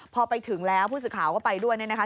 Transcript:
พอไปถึงแล้วผู้สื่อข่าวก็ไปด้วยเนี่ยนะคะ